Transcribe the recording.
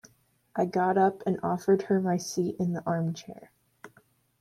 I got up and offered her my seat in the arm-chair.